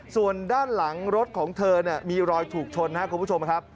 ส่วนด้านหลังรถของเธอมีรอยถูกชนครับคุณผู้ชมครับ